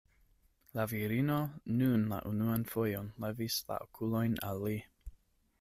La virino nun la unuan fojon levis la okulojn al li.